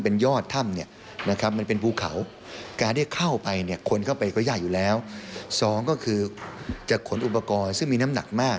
ก็ยากอยู่แล้วสองก็คือจะขนอุปกรณ์ซึ่งมีน้ำหนักมาก